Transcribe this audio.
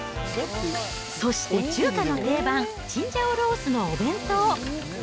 そして中華の定番、チンジャオロースのお弁当。